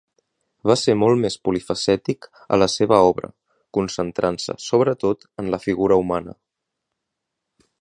Va ser molt més polifacètic a la seva obra, concentrant-se sobretot en la figura humana.